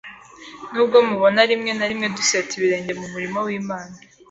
n’ubwo mubo na rimwe na rimwe duseta ibirenge mu murimo w’Imana